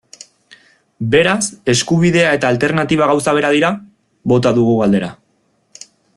Beraz, eskubidea eta alternatiba gauza bera dira?, bota dugu galdera.